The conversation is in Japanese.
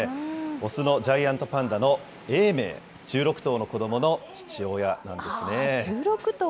雄のジャイアントパンダの永明、１６頭の子どもの父親なんですね。